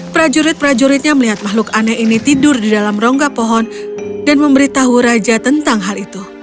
prajurit prajuritnya melihat makhluk aneh ini tidur di dalam rongga pohon dan memberitahu raja tentang hal itu